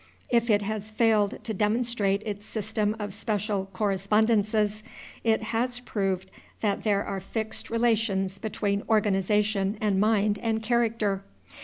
If it has failed to demonstrate its system of special correspondences, it has proved that there are fixed relations between organization and mind and character.